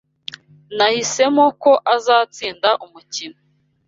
Nahisemo ko azatsinda umukino.